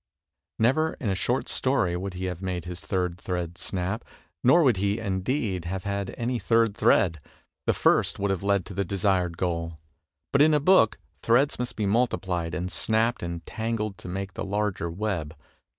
Never in a short story would he have made his third thread snap, nor would he, indeed, have had any third thread; the first would have led to the desired goal. But in a book, threads must be multiplied and snapped and tangled to make the larger web.